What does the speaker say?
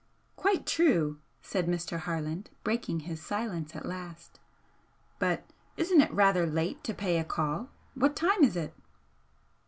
"Quite true!" said Mr. Harland, breaking his silence at last "But isn't it rather late to pay a call? What time is it?"